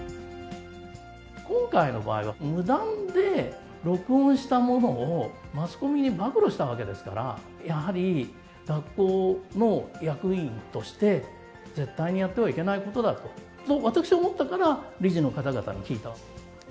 今回の場合は、無断で録音したものをマスコミに暴露したわけですから、やはり学校の役員として絶対にやってはいけないことだと、私は思ったから、理事の方々に聞いた。